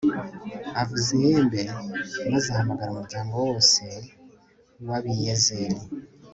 avuza ihembe maze ahamagara umuryango wose wa abiyezeri